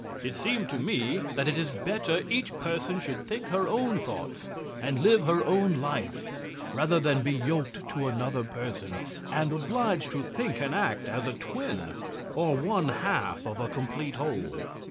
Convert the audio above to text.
It seems to me that it is better each person should think her own thoughts and live her own life, rather than be yoked to another person and obliged to think and act as a twin, or one half of a complete whole.